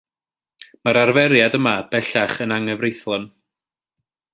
Mae'r arferiad yma, bellach, yn anghyfreithlon.